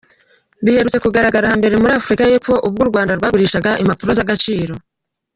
Biherutse kugaragara hambere muri Africa y’epfo ubwo u Rwanda rwagurishaga impapuro z’agaciro.